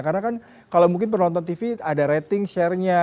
karena kan kalau mungkin penonton tv ada rating share nya